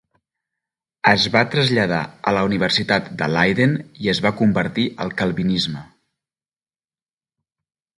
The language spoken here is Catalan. Es va traslladar a la Universitat de Leiden i es va convertir al calvinisme.